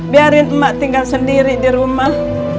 biarin emak tinggal sendiri di rumah